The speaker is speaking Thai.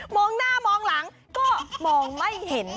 งหน้ามองหลังก็มองไม่เห็น